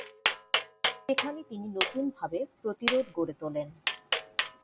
সেখানে তিনি নতুনভাবে প্রতিরোধ গড়ে তোলেন।